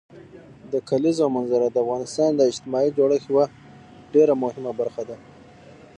د کلیزو منظره د افغانستان د اجتماعي جوړښت یوه ډېره مهمه برخه ده.